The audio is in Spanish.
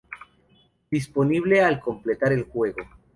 Disponible al completar el juego